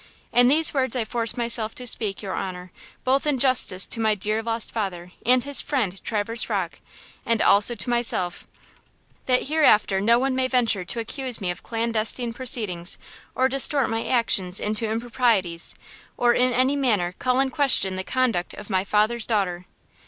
And these words I force myself to speak, your honor, both in justice to my dear lost father and his friend, Traverse Rocke, and also to myself, that hereafter no one may venture to accuse me of clandestine proceedings, or distort my actions into improprieties, or in any manner call in question the conduct of my father's daughter."